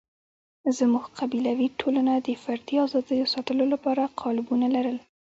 زموږ قبیلوي ټولنه د فردي آزادیو ساتلو لپاره قالبونه لرل.